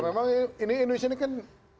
memang ini indonesia ini kan